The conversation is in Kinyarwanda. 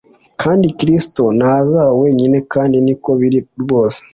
Kandi Kristo ntazaba wenyine kandi niko biri rwose